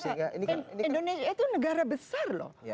indonesia itu negara besar loh